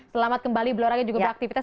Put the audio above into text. selamat kembali bloranya juga beraktivitas